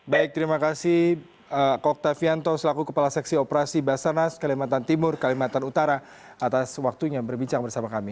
baik terima kasih koktavianto selaku kepala seksi operasi basarnas kalimantan timur kalimantan utara atas waktunya berbincang bersama kami